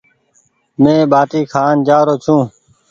مينٚ ٻآٽي کآن جآرو ڇوٚنٚ